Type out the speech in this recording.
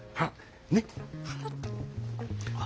ねっ？